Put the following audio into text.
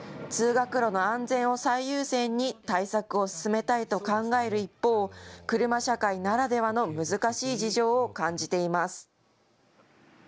通学路の安全を最優先に対策を進めたいと考える一方、車社会ならではの難しい事情を感じています。